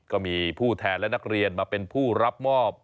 ก็มีผู้แทนและนักเรียนมาเป็นผู้รับมอบ